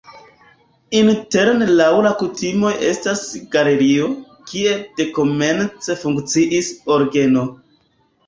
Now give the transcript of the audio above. Interne laŭ la kutimoj estas galerio, kie dekomence funkciis orgeno.